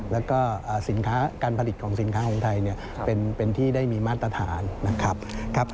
แล้วก็สินค้าการผลิตของสินค้าของไทยเป็นที่ได้มีมาตรฐานนะครับ